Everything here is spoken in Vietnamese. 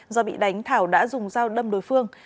do bị đánh thảo đã dùng dao đâm đối phương